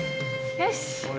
よし。